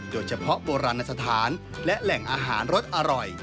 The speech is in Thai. โบราณสถานและแหล่งอาหารรสอร่อย